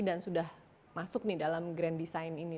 dan sudah masuk nih dalam grand design ini